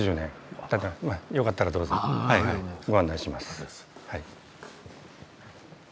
よかったらどうぞご案内します。